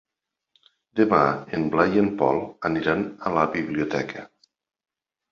Demà en Blai i en Pol aniran a la biblioteca.